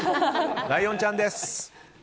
ライオンちゃんです。